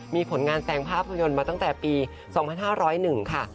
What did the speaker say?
มีผลงานแสงภาพยนตร์มาตั้งแต่ปี๒๕๐๑ค่ะ